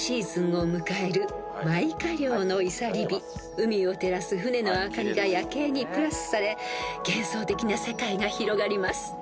［海を照らす船の灯りが夜景にプラスされ幻想的な世界が広がります］